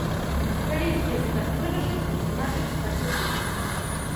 Калі з'езд так вырашыць, значыць, так і будзе.